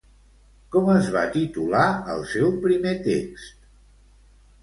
Com es va titular el seu primer text?